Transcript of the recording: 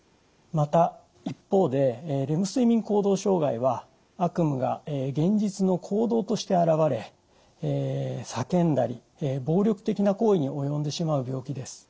また一方でレム睡眠行動障害は悪夢が現実の行動として現れ叫んだり暴力的な行為に及んでしまう病気です。